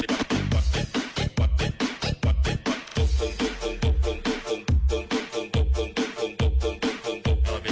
เย้บ๊ายบาย